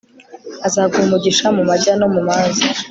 azaguha umugisha mu majya no mu maza